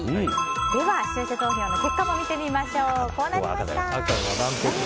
では視聴者投票の結果も見てみましょう。